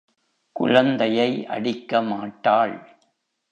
குழந்தையை அடிக்க மாட்டாள்.